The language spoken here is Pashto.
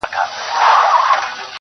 مه راته وايه چي د کار خبري ډي ښې دي.